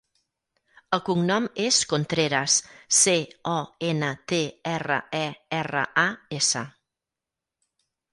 El cognom és Contreras: ce, o, ena, te, erra, e, erra, a, essa.